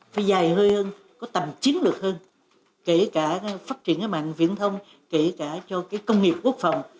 phải dài hơn có tầm chiến lược hơn kể cả phát triển mạng viễn thông kể cả cho công nghiệp quốc phòng